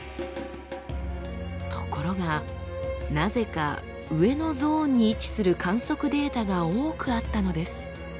ところがなぜか上のゾーンに位置する観測データが多くあったのです。